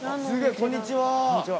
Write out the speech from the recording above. こんにちは。